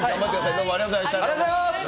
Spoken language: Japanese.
どうもあありがとうございます。